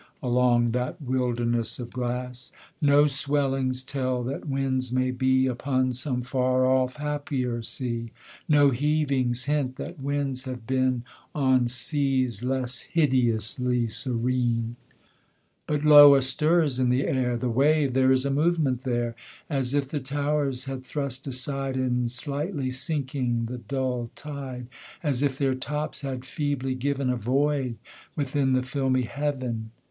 Along that wilderness of glass No swellings tell that winds may be Upon some far off happier sea No heavings hint that winds have been On seas less hideously serene. But lo, a stir is in the air! The wave there is a movement there! As if the towers had thrust aside, In slightly sinking, the dull tide As if their tops had feebly given A void within the filmy Heaven.